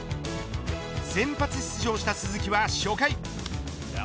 先発出場した鈴木は初回。